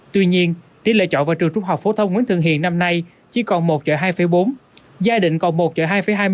tuy nhiên tỉ lệ chọn vào trường trung học phổ thông nguyễn thường hiền năm nay chỉ còn một chọi hai bốn gia đình còn một chọi hai hai mươi một